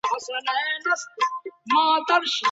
د خطرونو په اړه خلګو ته پوره پوهاوی ورکړئ.